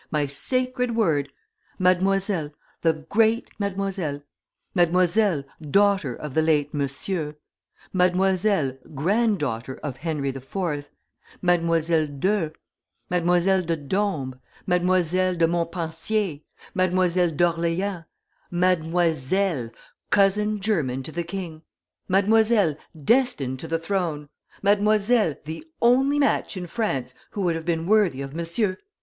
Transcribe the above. my sacred word! Mademoiselle, the great Mademoiselle, Mademoiselle daughter of the late Monsieur, Mademoiselle grand daughter of Henry IV., Mademoiselle d'Eu, Mademoiselle de Dombes, Mademoiselle de Montpensier, Mademoiselle d' Orleans, Mademoiselle, cousin german to the king, Mademoiselle destined to the throne, Mademoiselle, the only match in France who would have been worthy of Monsieur!"